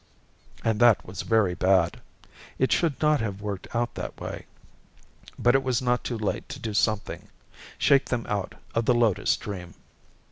And that was very bad. It should not have worked out this way. But it was not too late to do something, shake them out of the Lotus dream.